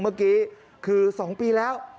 เมื่อกี้คือ๒ปีแล้ว